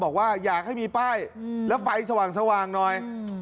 บอกว่าอยากให้มีป้ายแล้วไฟสว่างหน่อย